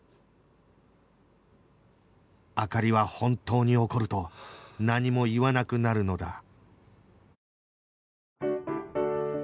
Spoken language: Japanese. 灯は本当に怒ると何も言わなくなるのだ